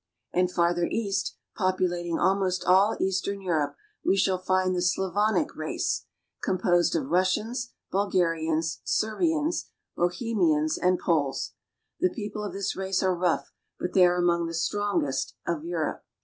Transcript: And farther east, populating almost all east ern Europe, we shall find the Slavonic race, composed of Russians, Bulgarians, Servians, Bohemians, and Poles ; the people of this race are rough, but they are among the strongest of Europe.